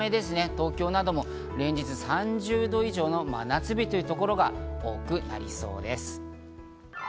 東京なども連日３０度以上の真夏日というところが多くなりそうです。